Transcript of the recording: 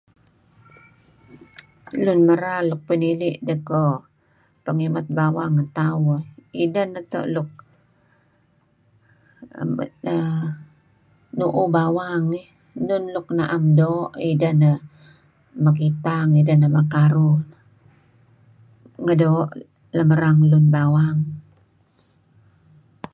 Lun merar luk pinili' deh koh pengimet bawang tauh ideh neto' luk uhm nu'uh bawang eh. Enun luk naem doo' dih ideh mekitang, ideh neh mekaruh ngedoo' lem erang lun bawang.